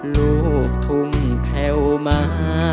ลูกทุ่งแผ่วมา